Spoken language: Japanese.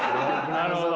なるほど。